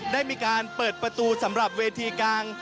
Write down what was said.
ได้มีการเปิดประตูสำหรับเวทีกลาง